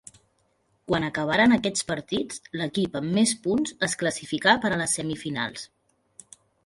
Quan acabaren aquests partits, l'equip amb més punts es classificà per a les semifinals.